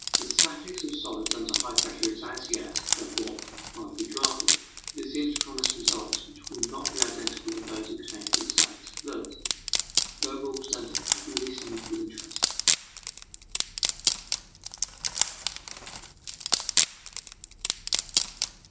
The statics of solids under high pressure is as yet, therefore, hardly drafted, but it seems to promise results which will not be identical with those obtained for the statics of fluids, though it will present at least an equal interest.